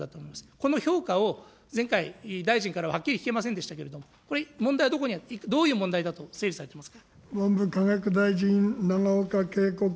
この評価を前回大臣からはっきり聞けませんけれども、これ、問題、どういう問題だと整理されてますか。